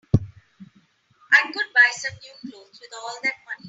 I could buy some new clothes with all that money.